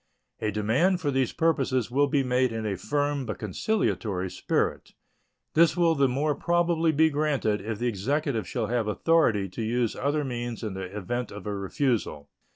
A demand for these purposes will be made in a firm but conciliatory spirit. This will the more probably be granted if the Executive shall have authority to use other means in the event of a refusal.